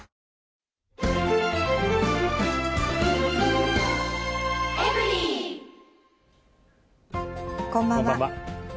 こんばんは。